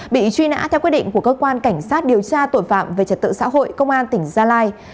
bị truy nã theo quyết định của cơ quan cảnh sát điều tra tội phạm về trật tự xã hội công an tỉnh gia lai